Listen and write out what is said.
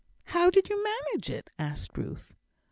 "How did you manage it?" asked Ruth.